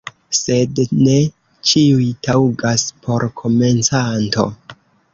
Sed ne ĉiuj taŭgas por komencanto.